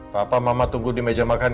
papa mama tunggu di meja makan